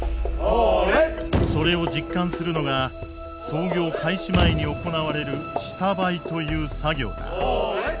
それを実感するのが操業開始前に行われる下灰という作業だ。